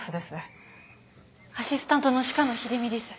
アシスタントの鹿野秀美です。